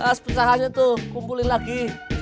as pesahannya tuh kumpulin lagi